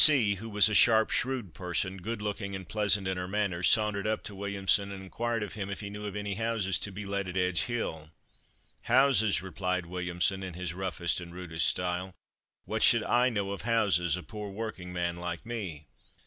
C , who was a sharp, shrewd person, good looking and pleasant in her manners, sauntered up to Williamson and inquired of him if he knew of any houses to be let at Edge hill. "Houses!" replied Williamson in his roughest and rudest style: "What should I know of houses, a poor working man like me!"